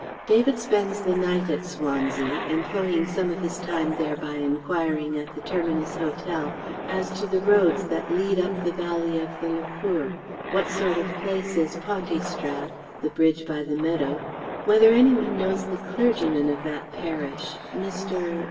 David spends the night at Swansea, employing some of his time there by enquiring at the Terminus Hotel as to the roads that lead up the valley of the Llwchwr, what sort of a place is Pontystrad ("the bridge by the meadow"), whether any one knows the clergyman of that parish, Mr....